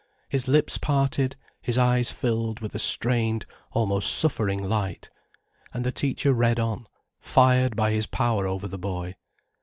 His lips parted, his eyes filled with a strained, almost suffering light. And the teacher read on, fired by his power over the boy.